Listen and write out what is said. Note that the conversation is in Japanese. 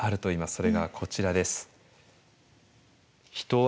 それがこちらです。